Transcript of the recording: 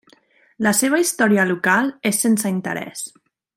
La seva història local és sense interès.